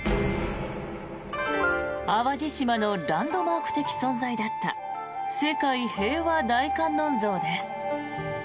淡路島のランドマーク的存在だった世界平和大観音像です。